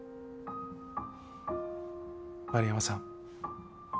丸山さん